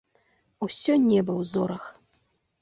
Усё неба ў зорах!